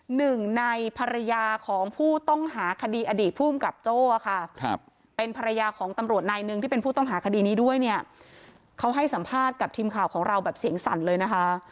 หนึ่งในภรรยาของผู้ต้องหาคดีอดีตภูมิกับโจ้ค่ะเป็นภรรยาของตำรวจนายหนึ่งที่เป็นผู้ต้องหาคดีนี้ด้วยเนี่ยเขาให้สัมภาษณ์กับทีมข่าวของเราแบบเสียงสั่นเลยนะคะ